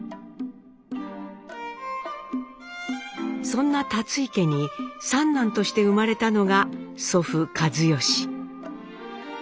そんな立井家に三男として生まれたのが祖父一嚴。